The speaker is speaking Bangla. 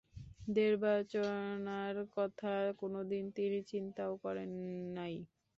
দেবার্চনার কথা কোনোদিন তিনি চিন্তাও করেন নাই।